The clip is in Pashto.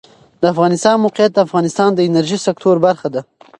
د افغانستان د موقعیت د افغانستان د انرژۍ سکتور برخه ده.